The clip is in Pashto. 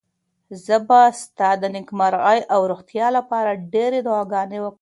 زه به ستا د نېکمرغۍ او روغتیا لپاره ډېرې دعاګانې کوم.